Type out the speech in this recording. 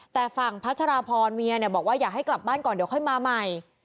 แต่ฝั่งพัชราพรเมียบอกว่าอยากให้กลับบ้านก่อนเดี๋ยวค่อยมาใหม่